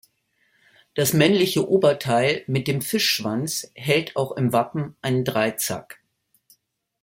Das männliche Oberteil mit dem Fischschwanz hält auch im Wappen einen Dreizack.